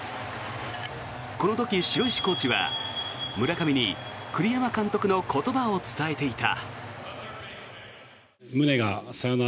この時、城石コーチは村上に栗山監督の言葉を伝えていた。